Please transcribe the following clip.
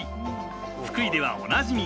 福井ではおなじみ